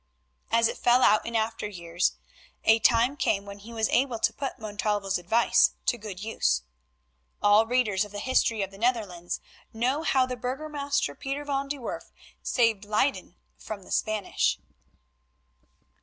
As it fell out in after years, a time came when he was able to put Montalvo's advice to good use. All readers of the history of the Netherlands know how the Burgomaster Pieter van de Werff saved Leyden from the Spanish.